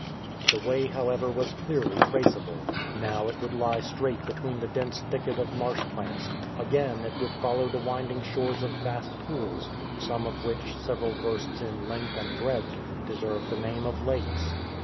The way, however, was clearly traceable. Now it would lie straight between the dense thicket of marsh plants; again it would follow the winding shores of vast pools, some of which, several versts in length and breadth, deserve the name of lakes.